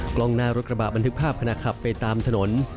กล้องหน้ารถกระบะบันทึกภาพขณะขับไปตามถนน